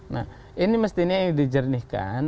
nah ini mestinya yang dijernihkan